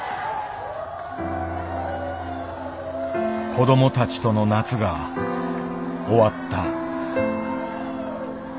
子どもたちとの夏が終わった。